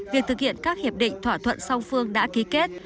việc thực hiện các hiệp định thỏa thuận song phương đã ký kết